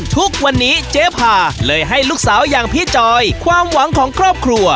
ทุกวันนี้เจ๊พาเลยให้ลูกสาวอย่างพี่จอยความหวังของครอบครัว